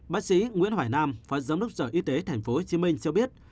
bác sĩ nguyễn hoài nam phó giám đốc sở y tế tp hcm cho biết